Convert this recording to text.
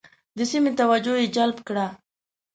د سیمې توجه یې جلب کړه.